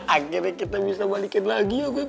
akhirnya kita bisa balikin lagi ya beb